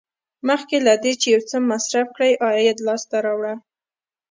مخکې له دې چې یو څه مصرف کړئ عاید لاسته راوړه.